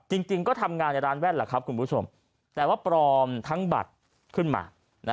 จริงก็ทำงานในร้านแว่นแหละครับคุณผู้ชมแต่ว่าปลอมทั้งบัตรขึ้นมา